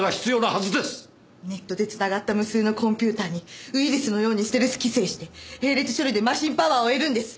ネットで繋がった無数のコンピューターにウイルスのようにステルス寄生して並列処理でマシンパワーを得るんです。